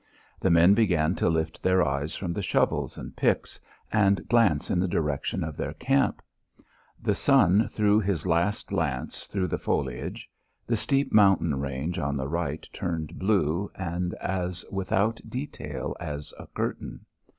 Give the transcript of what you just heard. The men began to lift their eyes from the shovels and picks, and glance in the direction of their camp. The sun threw his last lance through the foliage. The steep mountain range on the right turned blue and as without detail as a curtain.